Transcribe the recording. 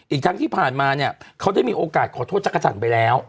อีกทั้งที่ผ่านมาเนี่ยเขาได้มีโอกาสขอโทษจักรจันทร์ไปแล้ว